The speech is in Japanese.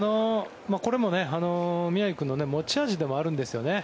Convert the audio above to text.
これも宮城君の持ち味でもあるんですよね。